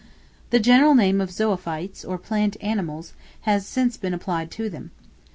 The general name of zoophytes, or plant animals, has since been applied to them.